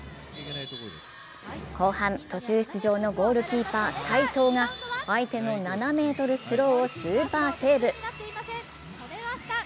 後半、途中出場のゴールキーパー・犀藤が相手の７ｍスローをスーパーセーブ。